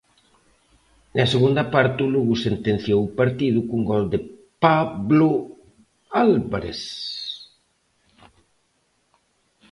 Na segunda parte o Lugo sentenciou o partido cun gol de Pablo Álvarez.